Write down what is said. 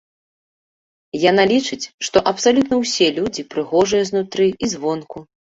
Яна лічыць, што абсалютна ўсе людзі прыгожыя знутры і звонку.